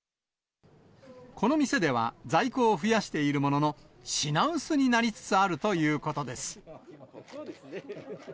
この店では、在庫を増やしているものの、品薄になりつつあるということです。